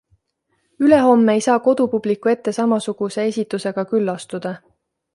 Ülehomme ei saa kodupubliku ette samasuguse esitusega küll astuda.